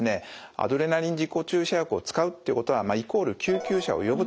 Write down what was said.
アドレナリン自己注射薬を使うということはイコール救急車を呼ぶと。